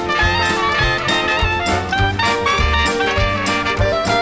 โปรดติดตามต่อไป